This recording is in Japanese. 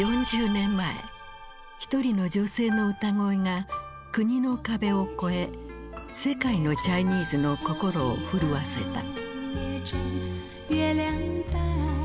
４０年前ひとりの女性の歌声が国の壁をこえ世界のチャイニーズの心を震わせた。